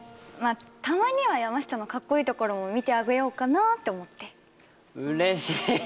あたまには山下のカッコいいところも見てあげようかなって思って嬉しい！